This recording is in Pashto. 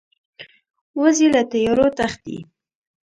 وزې له تیارو تښتي